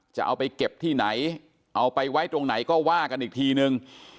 จะเอาไปเก็บที่ไหนเอาไปไว้ตรงไหนก็ว่ากันอีกทีนึง